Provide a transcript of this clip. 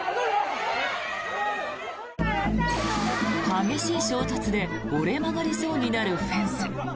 激しい衝突で折れ曲がりそうになるフェンス。